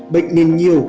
bệnh niên nhiều